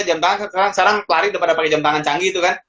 jam tangan sekarang lari udah pada pakai jam tangan canggih itu kan